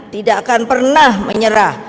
tidak akan pernah menyerah